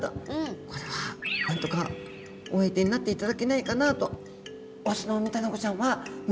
これはなんとかお相手になっていただけないかなと。